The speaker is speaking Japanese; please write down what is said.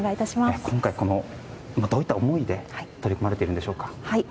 今回、どういった思いで取り組まれているんでしょうか。